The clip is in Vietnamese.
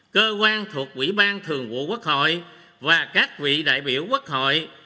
cơ quan thuộc quỹ ban thường vụ quốc hội và các vị đại biểu quốc hội